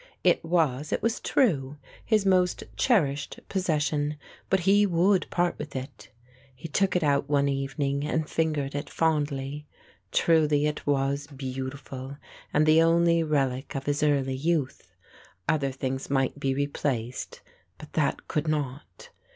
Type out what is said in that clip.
It was, it was true, his most cherished possession; but he would part with it. He took it out one evening and fingered it fondly. Truly it was beautiful and the only relic of his early youth. Other things might be replaced, but that could not.